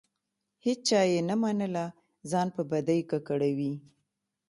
هیچا یې نه منله؛ ځان په بدۍ ککړوي.